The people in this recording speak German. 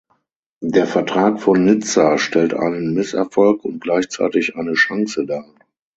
Der Vertrag von Nizza stellt einen Misserfolg und gleichzeitig eine Chance dar.